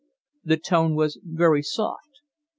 The tone was very soft.